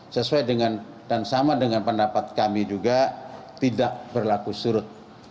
sesuai dengan dan sama dengan pendapat kami juga tidak berlaku surut